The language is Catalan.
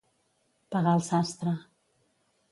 Pagar el sastre.